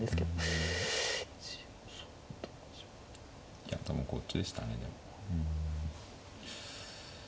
いやでもこっちでしたね。